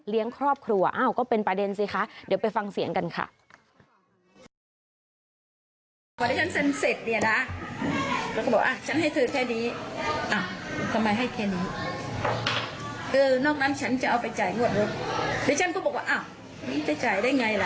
เออนอกนั้นฉันจะเอาไปจ่ายงวดรถหรือฉันก็บอกว่าอ้าวนี่จะจ่ายได้ไงล่ะ